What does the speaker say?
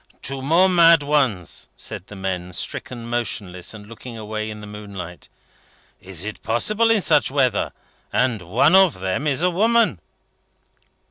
"Two more mad ones!" said the men, stricken motionless, and looking away in the moonlight. "Is it possible in such weather! And one of them a woman!"